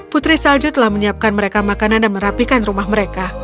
putri salju telah menyiapkan mereka makanan dan merapikan rumah mereka